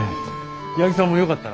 矢作さんもよかったら。